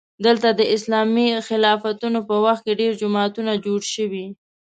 دلته د اسلامي خلافتونو په وخت کې ډېر جوماتونه جوړ شوي.